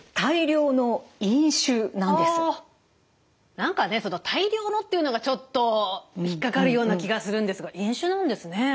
何かね「大量の」っていうのがちょっと引っ掛かるような気がするんですが飲酒なんですねえ。